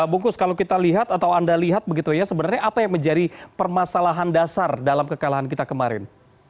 bungkus kalau kita lihat atau anda lihat begitu ya sebenarnya apa yang menjadi permasalahan dasar dalam kekalahan kita kemarin